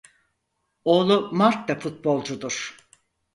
Oğlu Mark da futbolcudur.